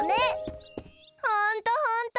ほんとほんと。